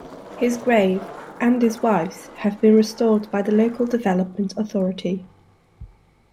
His grave, and his wife's, have been restored by the local Development Authority.